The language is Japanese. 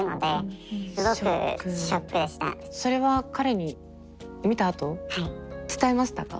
それは彼に見たあと伝えましたか？